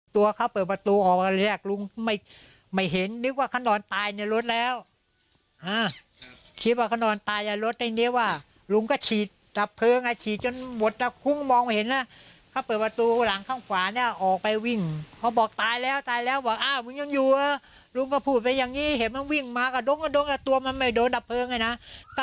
ตัวเค้าเปิดประตูออกไปแล้วลุงไม่เห็นนึกว่าเค้านอนตายในรถแล้ว